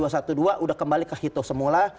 sudah kembali ke hito semula